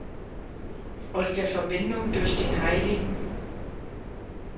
Aus der Verbindung durch den hl.